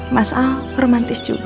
masal romantis juga